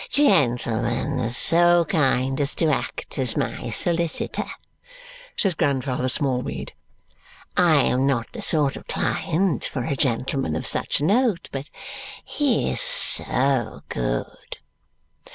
"Gentleman so kind as to act as my solicitor," says Grandfather Smallweed. "I am not the sort of client for a gentleman of such note, but he is so good!"